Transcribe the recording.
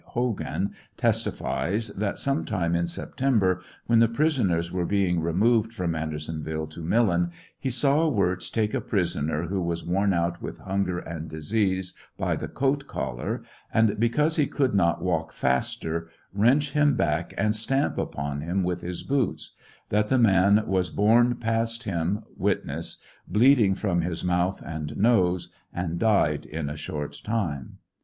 Hogan testifies, that some time in September, when the prisoners were being removed from Andersonville to Millen, he saw Wirz take a prisoner, who was worn out with hunger and disease, by the coat collar, and, because he could not walk faster, wrench him back and stamp upon him with his boots ; that the man was borne past him (witness) bleeding from his mouth and noSe, and died in a short time.